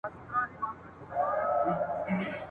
کله کښته کله پورته کله شاته !.